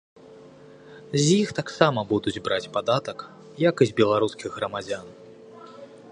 З іх таксама будуць браць падатак, як і з беларускіх грамадзян.